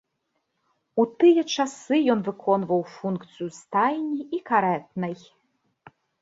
У тыя часы ён выконваў функцыю стайні і карэтнай.